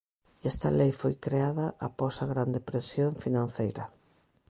Esta lei foi creada após a gran depresión financeira